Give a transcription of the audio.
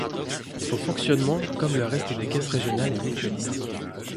Son fonctionnement comme le reste des caisses régionales est mutualiste.